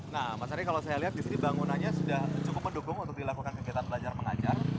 nah mas ari kalau saya lihat di sini bangunannya sudah cukup mendukung untuk dilakukan kegiatan belajar mengajar